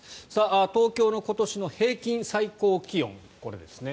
東京の今年の平均最高気温これですね。